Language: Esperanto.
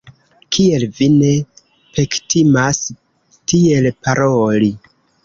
Kiel vi ne pektimas tiel paroli!